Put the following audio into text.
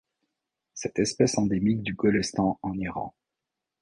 Cette espèce endémique du Golestan en Iran.